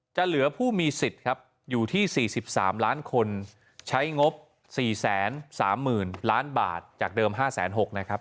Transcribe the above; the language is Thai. เหลือผู้มีสิทธิ์ครับอยู่ที่๔๓ล้านคนใช้งบ๔๓๐๐๐ล้านบาทจากเดิม๕๖๐๐นะครับ